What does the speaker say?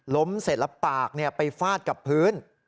เสร็จแล้วปากไปฟาดกับพื้น